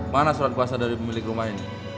mana surat puasa dari pemilik rumah ini